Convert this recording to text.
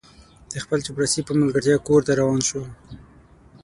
د خپل چپړاسي په ملګرتیا کور ته روان شو.